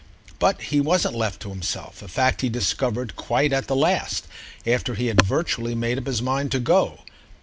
But he wasn't left to himself, a fact he discovered quite at the last, after he had virtually made up his mind to go.